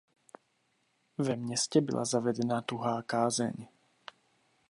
Ve městě byla zavedena tuhá kázeň.